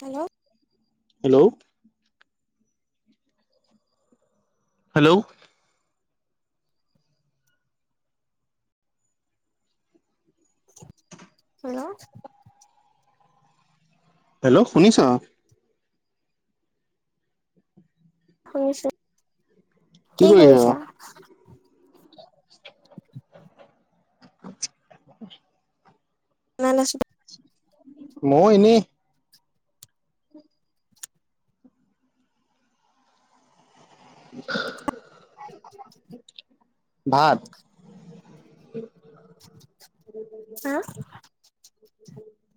Hello hello hello hello hello শুনিছা? শুনিছো কি কৰিছা? [inaudible] নাট আছোঁ মই এনেই [inaudible] ভাত হা!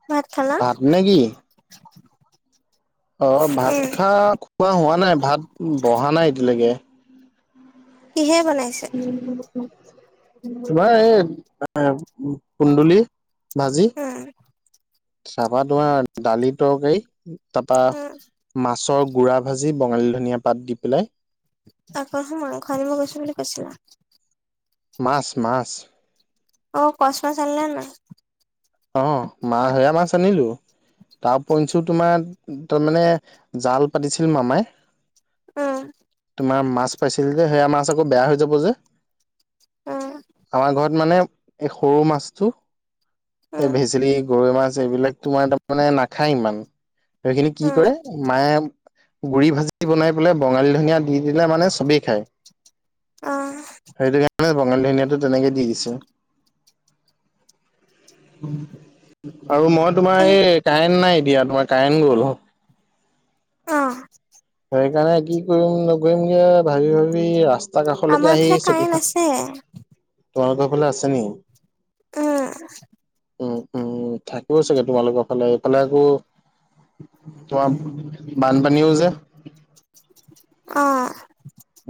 ভাত খালা! ভাত নে কি অ, ভাত উম খা খোৱা হোৱা নাই, ভাত বহা নাই এতিয়ালৈকে। কিহে বনাইছে? তোমাৰ এই এ কুন্দুলি। উম, চাবা ধোৱা দালি তৰকাৰি উম তাৰপৰা মাছৰ গুড়া ভাজি বঙালী ধনিয়া পাত দি পেলাই। আকৌ হম মাংস আনিব গৈছো বুলি কৈছিলা। মাছ মাছ। অ, ক্ৰচ মাছ আনিলা নে নাই? অ, মাহ সেয়া মাছ আনিলো। তাৰ উপৰেঞ্চিও তোমাৰ তাৰমানে জাল পাতিছিল মামাই উম, তোমাৰ মাছ পাইছিল যে, সেয়া মাছ আকৌ বেয়া হৈ যাব যে অ, আমাৰ ঘৰত মানে এই সৰু মাছটো এই উম ভেচেলী গৰৈ মাছ এইবিলাক তোমাৰ তাৰমানে নাখায় ইমান সেইখিনি কি উম কৰে মায়ে গুড়ি ভাজি বনাই পেলাই বঙালী ধনিয়া দি দিলে মানে চবেই খায়। অ, সেইটো বঙালী ধনিয়াটো তেনেকৈ দি দিছে। আৰু মই কেন তোমাৰ এই কাৰেন নাই এতিয়া তোমাৰ কাৰেন গ'ল। অ, সেইকাৰণে কি কৰিম নকৰিমকে ভাবি- ভাবি ৰা তাৰ কাষলৈকে আমাৰ আহি এইফালে কাৰেণ্ট চকীখন! আছে তোমালোকৰ ফালে আছে নি? উম, উম, উম, থাকিব চাগে তোমালোকৰ ফালে! এইফালে আকৌ তোমাৰ বানপানীও যে! অঁহ',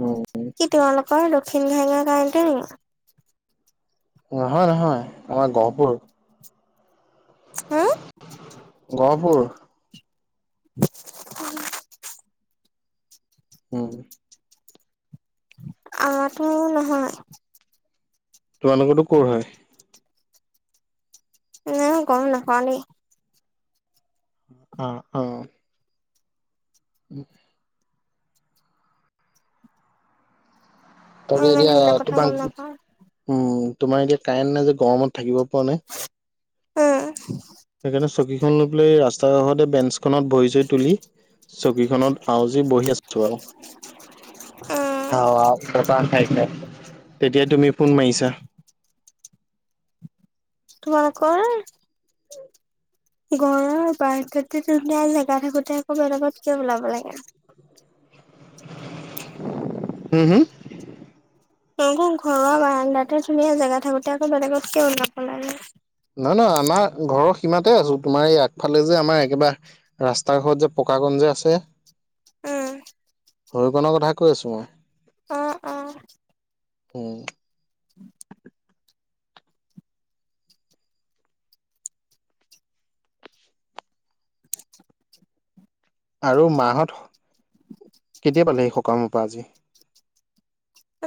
উম তোমালোকৰ দক্ষিণ ভাঙা কাৰনতো নেকি! নহয়, নহয়, আমাৰ গহপুৰ। হা! গহপুৰ। উম, আমাৰতো নহয়। তোমালোকৰ তো ক'ৰ হয়? মই গম নাপাওঁ দেই! অ', -অ',। উম, মই তাকে ইমান এতিয়া সেইবিলাক কথা গম তোমাক, নাপাওঁ উম তোমাৰ এতিয়া কাৰেণ্ট নাই যে গৰমত থাকিব পৰা নাই। উম। সেইকাৰণে চকীখন লৈ পেলাই ৰাস্তা কাষতে বেঞ্চ খনত ভৰি-চৰি তুলি, চকী খনত আউজি বহি আছো আৰু। উম হৱাও বতাহ খাই খাই, তেতিয়াই তুমি ফোন মাৰিছা। তোমালোকৰ ঘৰৰ বাৰাণ্ডাতে ধুনীয়া জেগা থাকোতে আকৌ বেলেগত কিয় ওলাব লাগে? [inaudible] উম, হুম, ঘৰৰ বাৰাণ্ডাতে ধুনীয়া জেগা থাকোতে আকৌ বেলেগত কিয় ওলাব লাগে? নহয়, নহয়, আমাৰ ঘৰৰ সীমাতে আছো, তোমাৰ এই আগফালে যে আমাৰ একেবাৰে ৰাস্তাৰ ঘৰত যে পকাকণ যে আছে! উম। সেইকণৰ কথা কৈ আছোঁ মই। অ', - অ'। উম। উম। আৰু মা হত, কেতিয়া পালেহি সকামৰ পৰা আজি?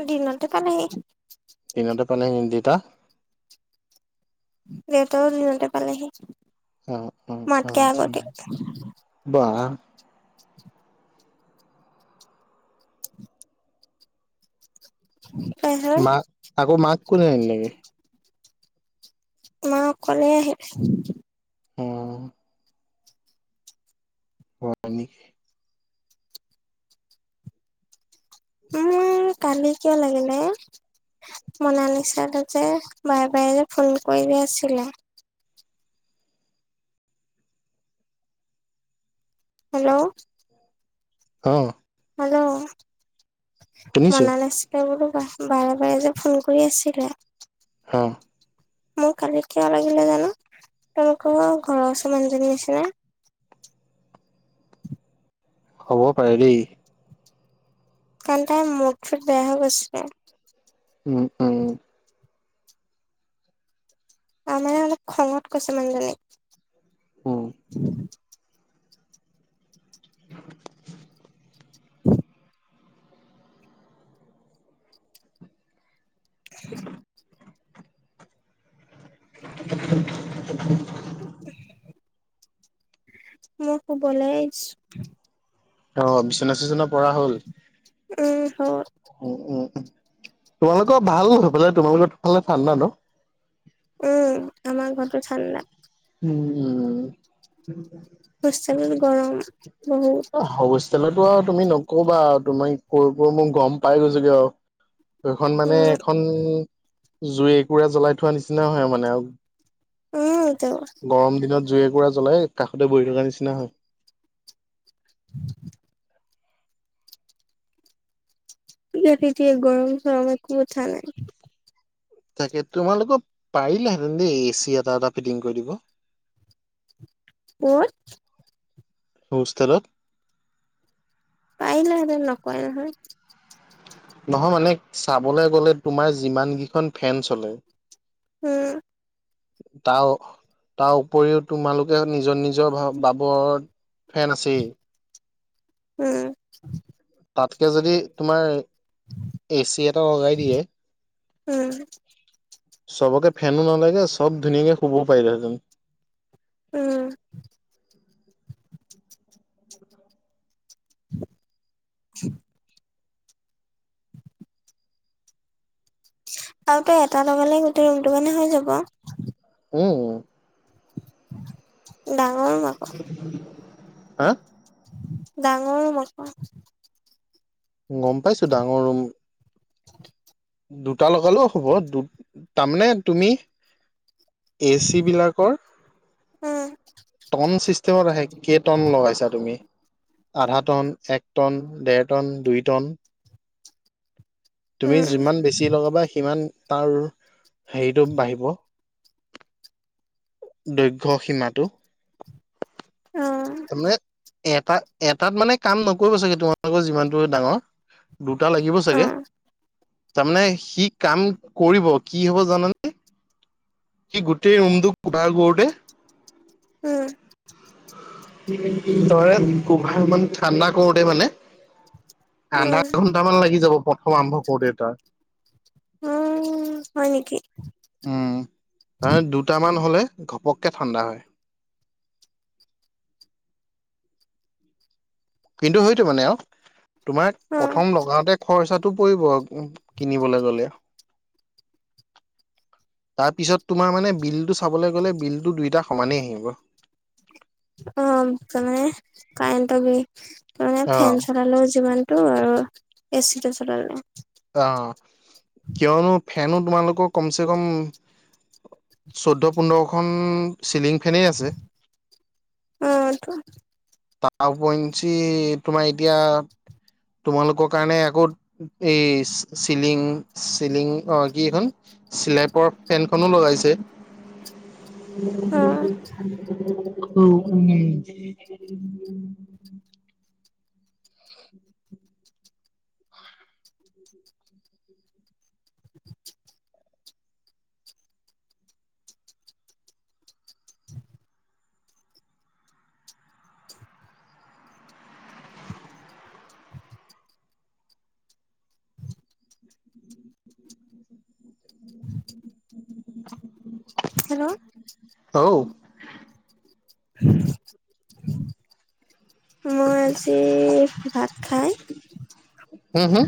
দিনতে পালেহি। দিনতে পালেহি, দেউতা! দেউতাও দিনতে পালেহি। অ', - অ', - মোতকে অ', - উম, আগতে বা। কয় হ'ল। মাক আকৌ মাক কোনে আনিলে গে? মা, অকলে আহিলে। উম। হয় নেকি! উম, কালি কিয় লাগিলা? মনালিছা দেউতায়ে বাৰে বাৰে যে ফোন কৰি আছিলা। হেল্ল'। অঁহ'। হেল্ল'। শুনিছো মনালিছ লৈ বোলো বা-বাৰে বাৰে যে ফোন কৰি আছিলে অ'। মোৰ কালি কিয় লাগিলে জানো, তোমালোকৰ ঘৰৰ ওচৰৰ মানুহজনীৰ নিচিনা। হ'ব পাৰে দেই। কালি তাইৰ মুড চুড বেয়া হৈ গৈছিলে। উম, উ। তাৰমানে অলপ খঙত কৈছে মানুহজনীক। উম। [inaudible] [inaudible] [inaudible] [inaudible] মোৰ শুবলে [unintelligible] অ' বিচনা চিচনা পৰা হ'ল? উম, হ'ল। উম, উম। তোমালোকৰ ভাল, সেইফালে তোমালোকৰ ফালে ঠাণ্ডা ন'? উম, আমাৰ ঘৰটো ঠাণ্ডা। হুম হোষ্টেলত গৰম বহুত। হোষ্টেলৰটো আৰু তুমি নক'বা আ, তুমি কৈ কৈ মই গম পাই গৈছোঁগে আৰু। এইখন মানে উম এখইন জুই একুৰা জ্বলাই থোৱা নিচিনা হয় মানে আৰু। উমতো। গৰম দিনত জুই একুৰা জ্বলাই কাষতে বহি থকাৰ নিচিনা হয়। [inaudible] [unintelligible] গৰম চৰম একো উঠা নাই। তাকে, তোমালোকৰ পাৰিলেহেঁতেন দেই, এ চি এটা এটা ফিটিং কৰি দিব। ক'ত? হোষ্টেলত। পাৰিলেহেঁতেন, নকৰে নহয়। নহয় মানে চাবলে গ'লে তোমাৰ যিমানকেইখন ফেন চলে উম। তাও তাৰ উপৰিও তোমালোকে নিজৰ, নিজৰ ভাবদ ফেন আছেই। উম। তাতকে যদি তোমাৰ এ চি এটা লগাই দিয়ে উম চবকে ফেনো নালাগে, চব ধুনীয়াকে শুবও পাৰিলেহেঁতেন। উম। [inaudible] আৰু তই এটা লগালে গোটেই ৰুমটোৰ কাৰণে হৈ যাব। উম। ডাঙৰ ৰোম আকৌ। হা? ডাঙৰ ৰুম আকৌ। গম পাইছো, ডাঙৰ ৰুম। দুটা লগালেও হ'ব দু, তাৰমানে তুমি এ চি বিলাকৰ টন চিষ্টেমত আহে, কেই টন লগাইছা তুমি। আধা টন, এক টন, ডেৰ টন, দুই টন। তুমি উম যিমান বেছি লগাবা সিমান তাৰ হেৰিটো বাঢ়িব, দৈৰ্ঘ সীমাটো। উম অ তামানে এটা এটাত মানে কাম নকৰিব চাগে, তোমালোকৰ যিমানটো ডাঙৰ। দুটা লাগিব অ চাগে তাৰমানে সি কাম কৰিব কি হ'ব জানানে সি, গোটেই ৰুমটোক কুবাৰ কৰোতে উম। তই গোভাল ইান ঠাণ্ডা কৰোতে মানে আধা উম ঘন্টামান লাগি যাব। প্ৰথম আৰম্ভ কৰোটে, তাৰ। উম হয়, নেকি। উম, তাৰে দুটামান হলে ঘপককে ঠাণ্ডা হয়। কিন্তু সেইটো মানে আৰু তোমাৰ অ প্ৰথম লগাওঁতে খৰচা টো পৰিব কিনিবলে গলে। তাৰপিছত তোমাৰ মানে বিলটো চাবলৈ গ'লে বিলটো দুইটা সমানেই আহিব। অ, তাৰমানানে কাৰেণ্ট বিল তমানে অ ফোন চলাল যিমান অ অ এচিটো চলালে ন। অ, কিয়নো ফেনো তোমালোকৰ কমচে, কম চৈধ্য, পোন্ধৰখন চিলিং ফেনেই আছে। উম, অটো। তাৰ উপঞ্চি তোমাৰ এতিয়া তোমালোকৰ কাৰণে আকৌ এই চিলিং, চিলিং অ, কি, এখন চিলেপৰ, ফেনখনো লগাইছে। [inaudible] অ অ, উম। [inaudible] [inaudible] হেল্ল? ঔ মই আজি ভাত খাই হম হম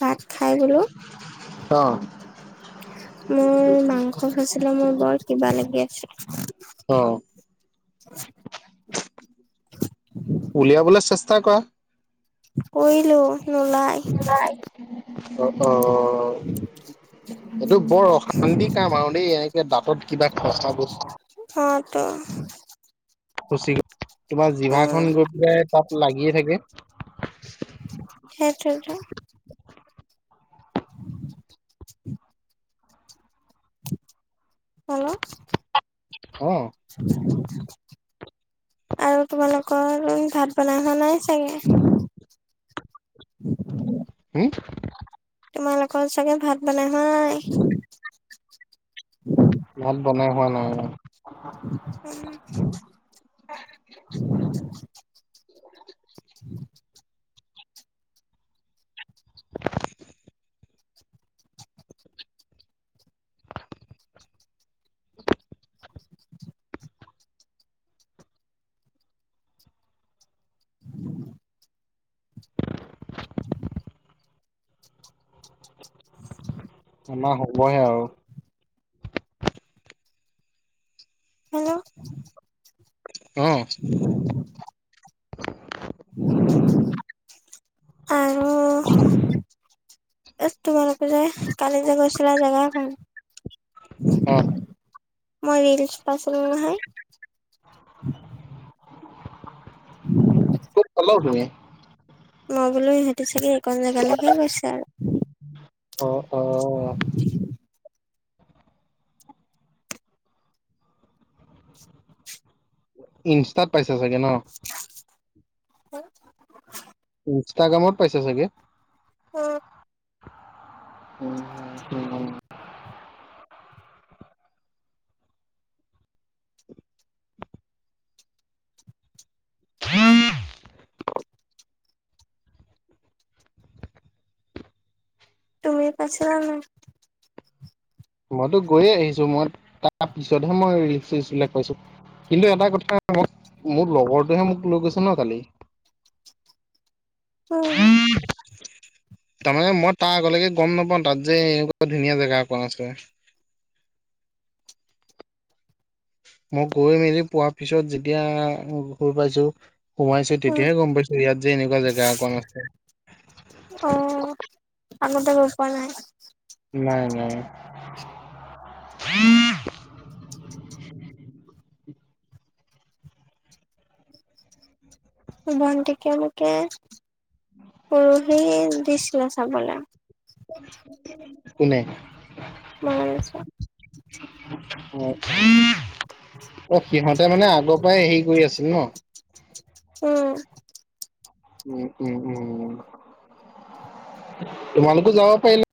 ভাত খাই বোলো অ'। মোৰ মাংস ফাইছিলে, মোৰ বৰ কিবা লাগি আছিল। অ উলিয়াবলৈ চেষ্টা কৰা কৰিলো নোলাই নোলাই, অ অ এইটো বৰ অশান্তিক কাম আৰু দেই এনেকে দাঁত কিবা ফচা বস্তু অ টো খুচি, তোমাৰ জিভা উম খন গৈ পেলাই তাত লাগিয়ে থাকে। সেইটো এ টো হেল্ল' অ'। উ [inaudible] আৰু তোমালোকৰ ভাত বনাই হোৱা নাই চাগে। হুম। তোমালোকৰ চাগে ভাত বনাই হোৱা নাই। ভাত বনাই হোৱা নাই। উম। [inaudible] [inaudible] [inaudible] [inaudible] আমাৰ হ'ব এ আৰু। হেল্ল'। অ'। [inaudible] আৰু এ তোমালোকে যে কালি যে গৈছিলা জেগা এখন অ মই ৰীলছ্ পাইছিলোঁ নহয়। উ [inaudible] খালাও তুমি। মই বোলো সিহঁতি চাগে এইকন জেগালৈকে গৈছে আৰু। অ অ ইনষ্টাত পাইছা চাগে ন। হ [unintelligible] ইন্ষ্টাগ্ৰামত পাইছা চাগে। অ'। উম, উম, উম। [inaudible] তুমি পাইছিলা নে নাই। মইতো গৈয়ে আহিছোঁ মই তাৰ পিছতহে মই ৰীলছ- ছীলচ বিলাক পাইছোঁ। কিন্তু এটা কথা মই মোৰ লগৰটোহে মোক লৈ গৈছে ন কালি। উম [inaudible] তাৰমানে মই তাৰ আগলৈকে গ'ম নাপাওঁ তাত যে এনেকুৱা ধুনীয়া জেগা অকণ আছে। মই গৈ মেলি পোৱা পিছত যেতিয়া ঘূৰি পাইছোঁ। সোমাইছোঁ উম তেতিয়াহে গ'ম পাইছোঁ ইয়াত যে এনেকুৱা জেগা অকণ আছে। অ', আগতে গৈ পোৱা নাই। নাই, নাই। ভন্তিকে মোকে পৰহি দিছিলে চাবলৈ। কোনে। মায়ে। অ', অ', সিহঁতে মানে আগৰ পৰাই হেৰি কৰি আছিল ন। উম। উম, উম, উম তোমালোকো যাব পাৰিলা